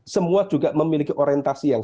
semua juga memiliki orientasi yang